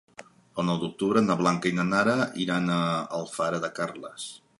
El nou d'octubre na Blanca i na Nara iran a Alfara de Carles.